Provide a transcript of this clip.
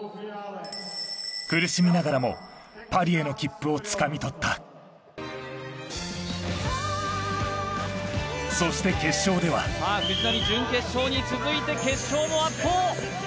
苦しみながらもパリへの切符をつかみ取ったそして決勝ではさあ藤波準決勝に続いて決勝も圧倒